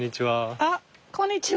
あっこんにちは。